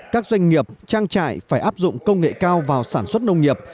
các doanh nghiệp trang trại phải áp dụng công nghệ cao vào sản xuất nông nghiệp